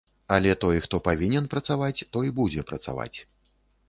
Але той, хто павінен працаваць, той будзе працаваць.